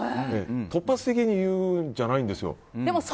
突発的に言うんじゃないんですよ。